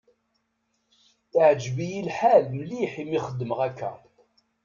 Iεǧeb-yi lḥal mliḥ imi xedmeɣ akka.